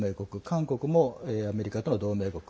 韓国もアメリカとの同盟国。